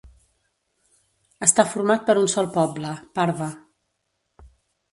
Està format per un sol poble, Parva.